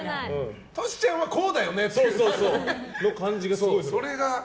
トシちゃんはこうだよねっていう。